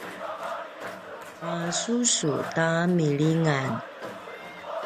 pasusu ta milingan